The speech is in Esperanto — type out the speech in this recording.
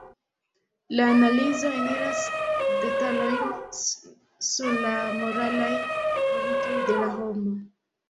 La analizo eniras detalojn sur la moralaj kvalitoj de la homo.